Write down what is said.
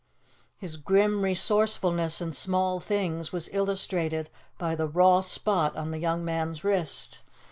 His grim resourcefulness in small things was illustrated by the raw spot on the young man's wrist.